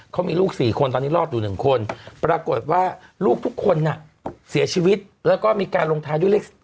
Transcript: เขามีลูก๔คนตอนนี้รอดอยู่๑คนปรากฏว่าลูกทุกคนน่ะเสียชีวิตแล้วก็มีการลงท้ายด้วยเลข๗